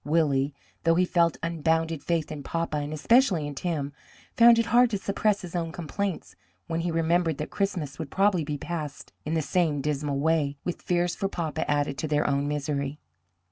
Willie, though he felt unbounded faith in papa, and especially in Tim, found it hard to suppress his own complaints when he remembered that Christmas would probably be passed in the same dismal way, with fears for papa added to their own misery.